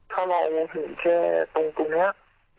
ถ้าเรามาถึงแค่ตรงนี้